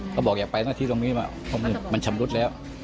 เขาบอกอย่าไปหน้าที่ตรงนี้มันชำรุดแล้ว